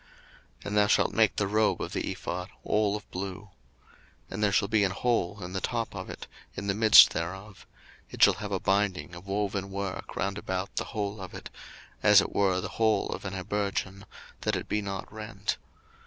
02:028:031 And thou shalt make the robe of the ephod all of blue. 02:028:032 And there shall be an hole in the top of it, in the midst thereof: it shall have a binding of woven work round about the hole of it, as it were the hole of an habergeon, that it be not rent.